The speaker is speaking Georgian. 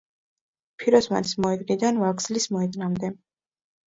ფიროსმანის მოედნიდან ვაგზლის მოედნამდე.